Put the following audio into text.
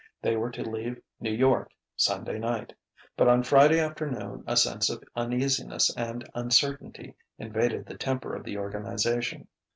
They were to leave New York Sunday night. But on Friday afternoon a sense of uneasiness and uncertainty invaded the temper of the organization.